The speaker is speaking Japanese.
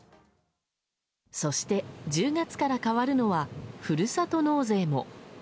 そして、１０月から変わるのはふるさと納税も。